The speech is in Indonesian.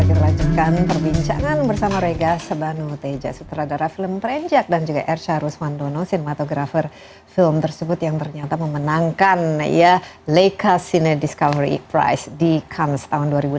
kita lanjutkan perbincangan bersama regas sebanu teja sutradara film trenjak dan juga erca rusmandono sinematografer film tersebut yang ternyata memenangkan ya leica cine discovery prize di cannes tahun dua ribu enam belas